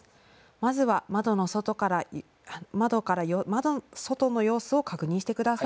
まずは窓の外から外の様子を確認してください。